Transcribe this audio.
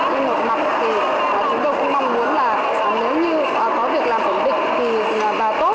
nhưng một mặt thì chúng tôi cũng mong muốn là nếu như có việc làm ổn định thì bà tốt